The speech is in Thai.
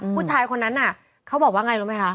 ผู้ชายคนนั้นน่ะเขาบอกว่าไงรู้ไหมคะ